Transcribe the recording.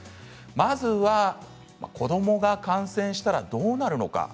まずは子どもが感染したらどうなるのか。